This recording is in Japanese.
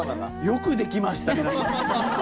よくできました皆さん。